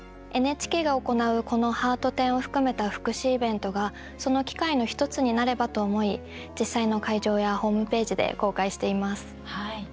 ＮＨＫが行うこのハート展を含めた福祉イベントがその機会の１つになればと思い実際の会場やホームページで公開しています。